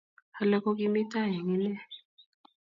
Alak ko ki kimii tai eng inne.